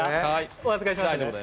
お預かりしますね。